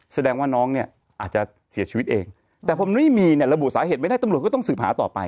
แสดงว่าน้องเนี่ยอาจจะเสียชีวิตเองแต่พอมันไม่มีเนี่ยระบุสาเหตุไม่ได้ตำรวจก็ต้องสืบหาต่อไป